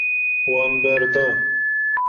Wan berda.